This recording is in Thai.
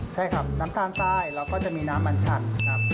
ใช่ครับน้ำตาลใต้เราก็จะมีน้ำมันชันครับ